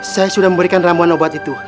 saya sudah memberikan ramuan obat itu